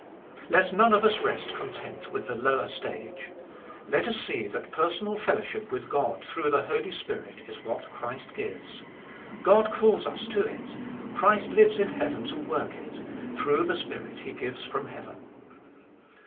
1. Let none of us rest content with the lower stage. Let us see that personal fellowship with God, through the Holy Spirit, is what Christ gives. God calls us to it: Christ Hues in heaven to work it, through the Spirit He gives from heaven.